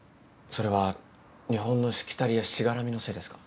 それは日本のしきたりやしがらみのせいですか？